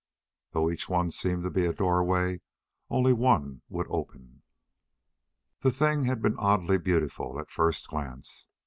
Though each one seemed to be a doorway, only one would open. The thing had been oddly beautiful at first glance.